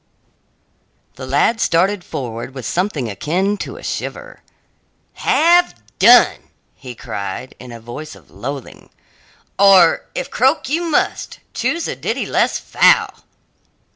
The lad started forward with something akin to a shiver. "Have done," he cried, in a voice of loathing, "or, if croak you must, choose a ditty less foul!"